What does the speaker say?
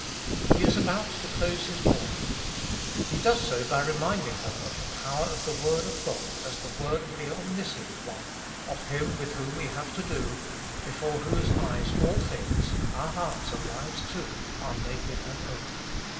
He is about to close his warning. He does so by reminding them of the power of the word of God as the word of the omniscient One, of Him with whom we have to do, before whose eyes all things, our hearts and lives too, are naked and open.